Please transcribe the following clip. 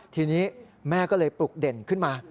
ทีนี้แม่ก็เลยปลุกเด่นขึ้นมา